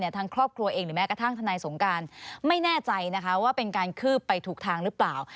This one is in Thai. ทั้งครอบครัวเองหรือแม้กระทั่งทนายสงการไม่แน่ใจนะคะว่าเป็นการคืบไปถูกทางหรือเปล่า